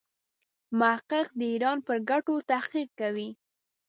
محقق د ایران پر ګټو تحقیق کوي.